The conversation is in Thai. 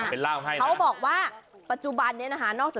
เค้าบอกว่าปัจจุบันนี้นะคะ